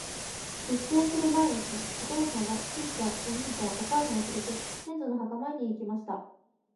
出征する前の日、お父さんは、ちいちゃん、お兄ちゃん、お母さんをつれて、先祖の墓参りに行きました。